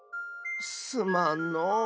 すまんのう。